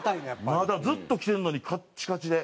まだずっと着てるのにカッチカチで。